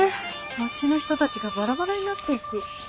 町の人たちがバラバラになっていく。